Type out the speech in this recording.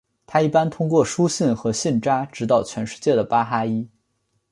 它一般通过书信和信札指导全世界的巴哈伊。